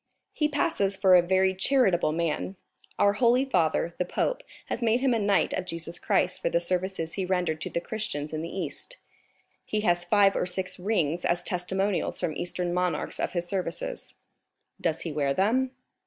"He passes for a very charitable man. Our holy father, the pope, has made him a knight of Jesus Christ for the services he rendered to the Christians in the East; he has five or six rings as testimonials from Eastern monarchs of his services." "Does he wear them?"